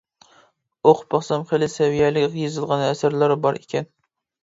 ئوقۇپ باقسام خېلى سەۋىيەلىك يېزىلغان ئەسەرلەر بار ئىكەن.